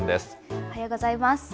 おはようございます。